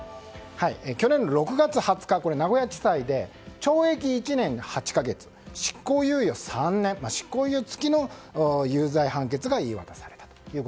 去年の６月２０日、名古屋地裁で懲役１年８か月執行猶予３年執行猶予付きの有罪判決が言い渡されたと。